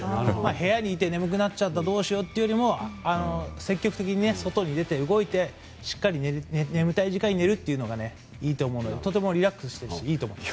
部屋にいて眠くなっちゃったどうしようというよりも積極的に外に出て動いてしっかり眠たい時間に寝るっていうのがいいと思うのでとてもリラックスしていていいと思います。